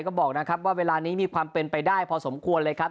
ก็บอกนะครับว่าเวลานี้มีความเป็นไปได้พอสมควรเลยครับ